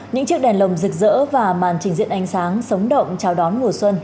những chiếc đèn lồng rực rỡ và màn trình diễn ánh sáng sống động chào đón mùa xuân